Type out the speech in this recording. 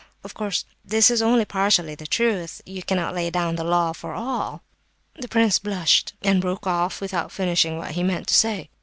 Of course this is only partially the truth; you cannot lay down the law for all..." The prince blushed and broke off, without finishing what he meant to say.